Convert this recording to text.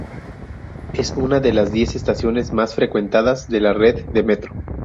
Es una de las diez estaciones más frecuentadas de la red de metro.